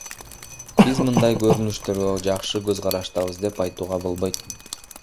Биз мындай көрүнүштөргө жакшы көз караштабыз деп айтууга болбойт.